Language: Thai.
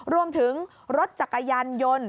รวมถึงรถจักรยานยนต์